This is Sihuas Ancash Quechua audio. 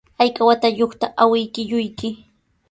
¿Ayka watayuqta awkilluyki?